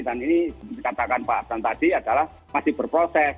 dan ini katakan pak abdan tadi adalah masih berproses